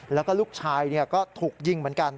แล้วก็ลูกชายก็ถูกยิงเหมือนกัน